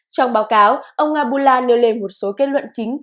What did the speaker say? trong báo cáo ông abula nêu lên một số kết luận chính